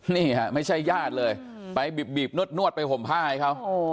นี่ฮะไม่ใช่ญาติเลยไปบีบนวดไปห่มผ้าให้เขา